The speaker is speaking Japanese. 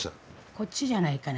こっちじゃないかな。